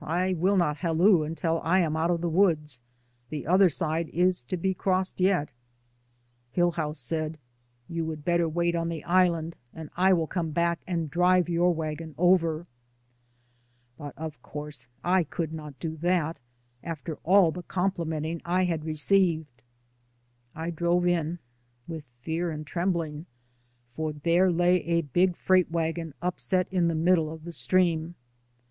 I will not *halloo until I am out of the woods' — the other side is to be crossed yet." Hillhouse said, "You would better wait on the island, and I will come back and drive your wagon over." But of course I could not do that, after all the complimenting I had received. I drove in — with fear and trembling — for there lay a big freight wagon upset in the middle of the stream.